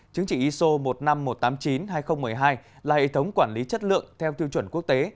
chứng chỉ iso một mươi năm nghìn một trăm tám mươi chín hai nghìn một mươi hai là hệ thống quản lý chất lượng theo tiêu chuẩn quốc tế